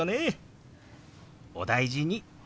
お大事に。